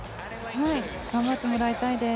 頑張ってもらいたいです。